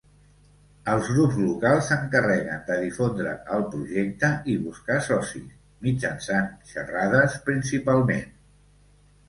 Els grups locals s'encarreguen de difondre el projecte i buscar socis, mitjançant xerrades, principalment.